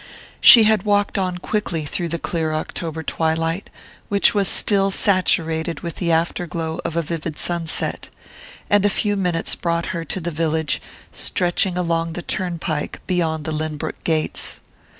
She had walked on quickly through the clear October twilight, which was still saturated with the after glow of a vivid sunset; and a few minutes brought her to the village stretching along the turnpike beyond the Lynbrook gates.